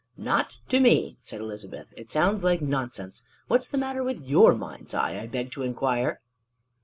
"Not to me!" said Elizabeth. "It sounds like nonsense: what's the matter with your mind's eye, I beg to inquire?"